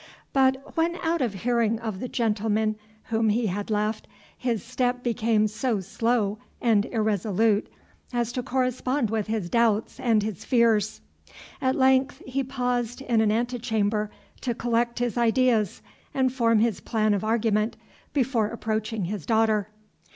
But when out of hearing of the gentlemen whom he had left, his step became so slow and irresolute, as to correspond with his doubts and his fears. At length he paused in an antechamber to collect his ideas, and form his plan of argument, before approaching his daughter.